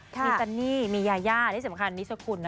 มีซันนี่มียาย่าที่สำคัญนิสกุลนะ